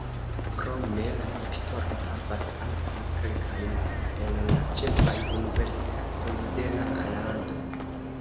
Krome la sektoro havas ankaŭ kelkajn el la ĉefaj universitatoj de la lando.